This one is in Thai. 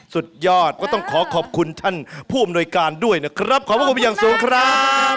สุดยอดก็ต้องขอขอบคุณท่านผู้อำนวยการด้วยนะครับขอบพระคุณไปอย่างสูงครับ